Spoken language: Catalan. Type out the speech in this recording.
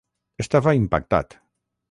Estava impactat.